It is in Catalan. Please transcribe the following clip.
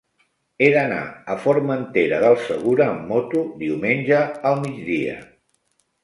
He d'anar a Formentera del Segura amb moto diumenge al migdia.